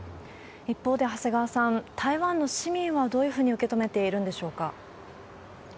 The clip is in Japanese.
一方で、長谷川さん、台湾の市民はどういうふうに受け止めているんでしょうか？